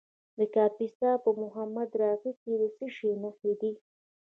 د کاپیسا په محمود راقي کې د څه شي نښې دي؟